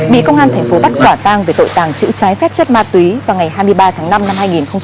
bị công an tp bắt quả tàng về tội tàng chữ trái phép chất ma túy vào ngày hai mươi ba tháng năm năm hai nghìn hai mươi ba